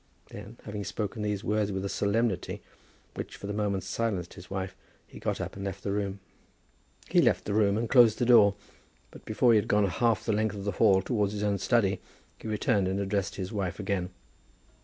Then, having spoken these words with a solemnity which for the moment silenced his wife, he got up and left the room. He left the room and closed the door, but, before he had gone half the length of the hall towards his own study, he returned and addressed his wife again.